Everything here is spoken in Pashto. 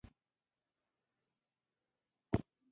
د شیریخ د جوړولو پړاوونه مشخص کړئ.